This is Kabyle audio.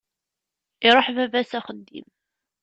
Iruḥ baba s axeddim.